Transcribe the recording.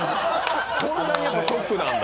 そんなにショックなんだ。